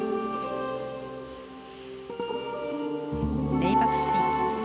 レイバックスピン。